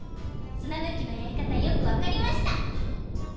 砂ぬきのやりかたよくわかりました。